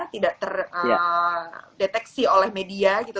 tidak terdeteksi oleh media gitu